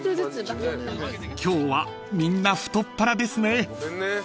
［今日はみんな太っ腹ですね］